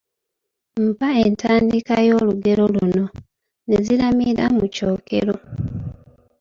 Mpa entandikwa y’olugero luno:,ne ziramira mu kyokero.